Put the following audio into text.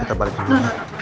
kita balik dulu mbak